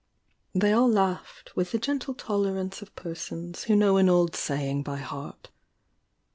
They all laughed, with the gentle tolerance of per sons who know an old saying by heart.